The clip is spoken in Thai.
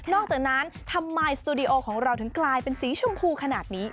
จากนั้นทำไมสตูดิโอของเราถึงกลายเป็นสีชมพูขนาดนี้